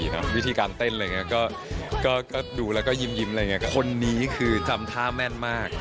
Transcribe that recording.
ก็ให้เต้นเพลงประกอบละครหน่อย๑๘โมงฝุ่นเซ็นลูกเวิร์ค